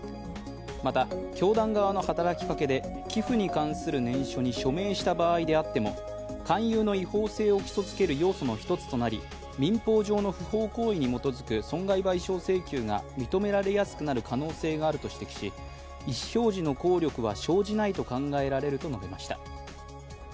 また教団側の働きかけで、寄付に関する念書に署名した場合であっても勧誘の違法性を基礎づける要素の一つとなり、民法上の不法行為に基づく損害賠償請求が認められやすくなる可能性があると指摘し、意思表示の効力は生じないと考えられると述べました。